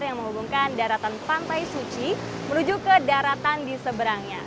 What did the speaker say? yang menghubungkan daratan pantai suci menuju ke daratan di seberangnya